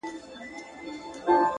زما مور _ دنيا هېره ده _